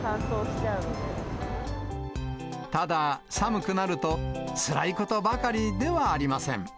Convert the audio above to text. ただ、寒くなるとつらいことばかりではありません。